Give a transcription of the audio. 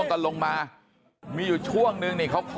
กระจกแตกอีก